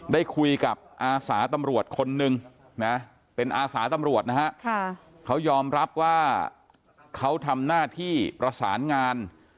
ได้คุยกับอาสาตำรวจคนนึงนะเป็นอาสาตำรวจนะฮะเขายอมรับว่าเขาทำหน้าที่ประสานงาน